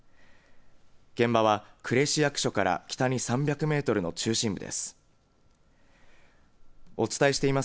現場は呉市役所から北に３００メートルの中心部です。